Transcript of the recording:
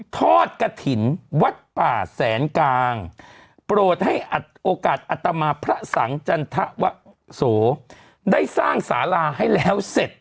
ทอดกระถิ่นวัดป่าแสนกลางโปรดให้อัดโอกาสอัตมาพระสังจันทวะโสได้สร้างสาราให้แล้วเสร็จ